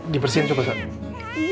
dibersihin coba sanya